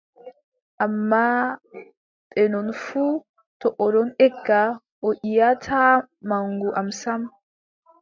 Ammaa, bee non fuu, to o ɗon egga, o yiʼataa maŋgu am sam,